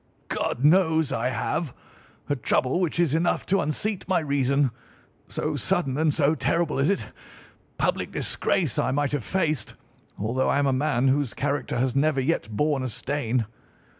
"God knows I have!—a trouble which is enough to unseat my reason, so sudden and so terrible is it. Public disgrace I might have faced, although I am a man whose character has never yet borne a stain.